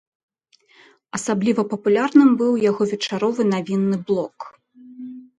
Асабліва папулярным быў яго вечаровы навінны блок.